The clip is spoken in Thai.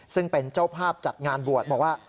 ซึ่งเป็นเจ้าภาพจัดงานบวชบอกว่า